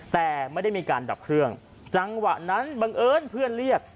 แต่ไม่ได้มีการดับเครื่องจังหวะนั้นบังเอิญเพื่อนเรียก